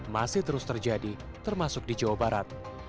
masih terus terjadi termasuk di jawa barat